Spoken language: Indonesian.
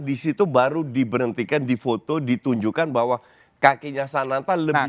disitu baru diberhentikan di foto ditunjukkan bahwa kakinya sananta lebih